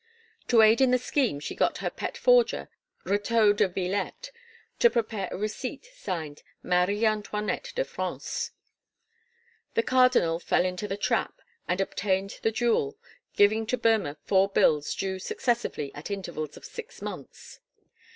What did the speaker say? To aid in the scheme she got her pet forger, Retaux de Vilette, to prepare a receipt signed "Marie Antoinette de France." The Cardinal fell into the trap and obtained the jewel, giving to Boemer four bills due successively at intervals of six months.